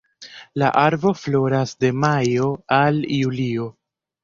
La arbo floras de majo al julio.